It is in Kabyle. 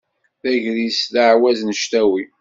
D agris d ɛawaz n ctawi.